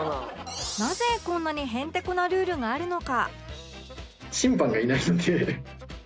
なぜこんなにヘンテコなルールがあるのか